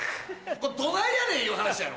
これどないやねんいう話やろ？